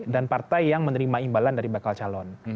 dan partai yang menerima imbalan dari bakal calon